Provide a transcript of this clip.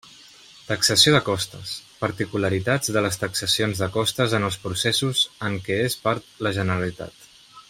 Taxació de costes: particularitats de les taxacions de costes en els processos en què és part la Generalitat.